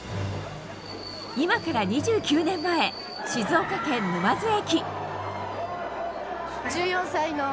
今から２９年前、静岡県沼津駅。